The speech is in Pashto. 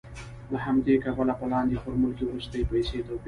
له همدې کبله په لاندې فورمول کې وروستۍ پیسې توپیر لري